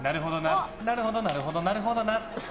なるほどなるほど、なるほどな！